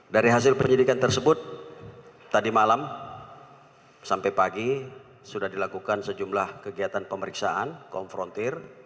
dari hasil penyidikan tersebut tadi malam sampai pagi sudah dilakukan sejumlah kegiatan pemeriksaan konfrontir